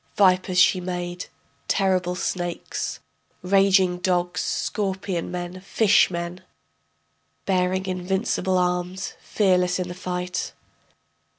Vipers she made, terrible snakes.... ... raging dogs, scorpion men ... fish men.... Bearing invincible arms, fearless in the fight.